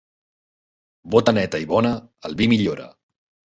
Bota neta i bona, el vi millora.